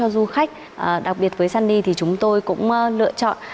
du khách đặc biệt với sunny thì chúng tôi cũng lựa chọn